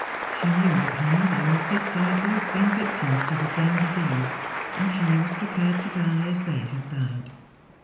She knew that her mother and sister had both been victims to the same disease, and she was prepared to die as they had died.